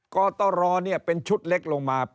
ก่อต่อรอเนี่ยเป็นชุดเล็กลงมา